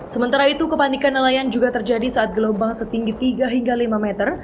sementara itu kepanikan nelayan juga terjadi saat gelombang setinggi tiga hingga lima meter